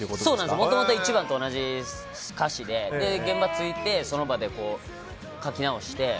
もともと１番と同じ歌詞で現場についてその場で書き直して。